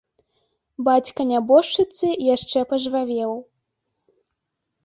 Бацька нябожчыцы яшчэ пажвавеў.